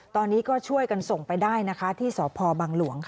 ตอนนี้ก็ช่วยกันส่งไปได้นะคะที่สพบังหลวง